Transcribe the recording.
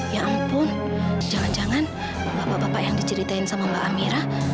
ya ampun jangan jangan bapak bapak yang diceritain sama mbak amira